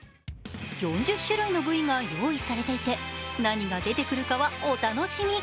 ４０種類の部位が用意されていて何が出てくるかはお楽しみ。